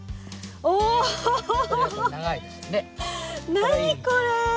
何これ！